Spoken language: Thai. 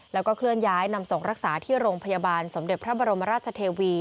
แล้วก็เคลื่อนย้ายนำส่งรักษาที่โรงพยาบาลสมเด็จพระบรมราชเทวี